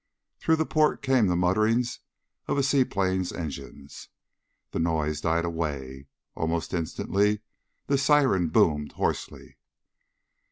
Through the port came the muttering of a seaplane's engines. The noise died away. Almost instantly the siren boomed hoarsely.